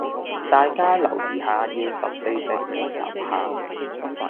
大家留意下要十四隻字樓下